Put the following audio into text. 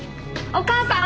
お母さん！